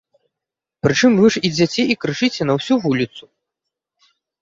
Прычым вы ж ідзяце і крычыце на ўсю вуліцу!